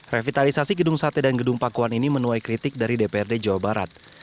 revitalisasi gedung sate dan gedung pakuan ini menuai kritik dari dprd jawa barat